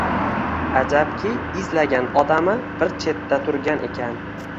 Ajabki, izlagan odami bir chetda turgan ekan